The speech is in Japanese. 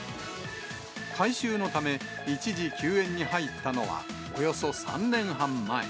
改修のため、一時休園に入ったのは、およそ３年半前。